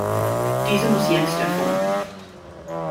Diese muss jetzt erfolgen.